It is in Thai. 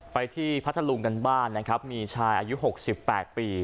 ไปที่พระทะลุงกันบ้านนะครับมีชายอายุหกสิบแปดปี